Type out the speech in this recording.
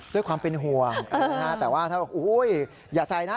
ด้วยความเป็นห่วงแต่ว่าถ้าอย่าใส่นะ